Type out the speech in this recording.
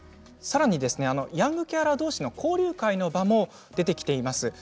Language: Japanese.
さらにヤングケアラーどうしの交流会の場も出てきています。